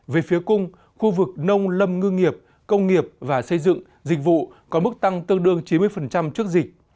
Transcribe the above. về phía cung khu vực nông lâm ngư nghiệp công nghiệp và xây dựng dịch vụ có mức tăng tương đương chín mươi trước dịch